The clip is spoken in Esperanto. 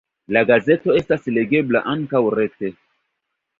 La gazeto estas legebla ankaŭ rete.